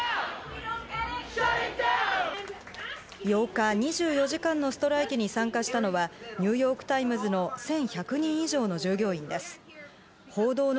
８日、２４時間のストライキに参加したのはニューヨーク・タイムズの１１００人以上の従業員です。